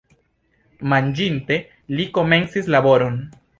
Manĝinte, li komencis laboron.